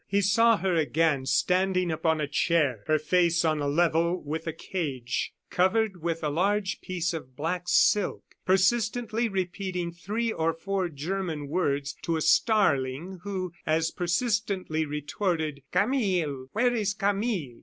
He saw her again, standing upon a chair, her face on a level with a cage, covered with a large piece of black silk, persistently repeating three or four German words to a starling, who as persistently retorted: "Camille! Where is Camille?"